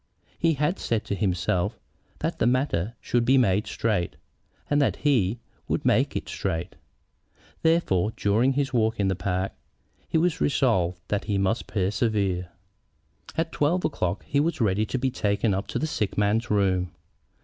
He had said to himself that the matter should be made straight, and that he would make it straight. Therefore, during his walk in the park, he resolved that he must persevere. At twelve o'clock he was ready to be taken up to the sick man's room.